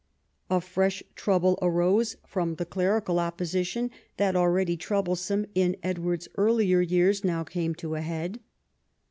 A fresh trouble arose from the clerical opposition, that, already troublesome in Edward's earlier years, now came to a head.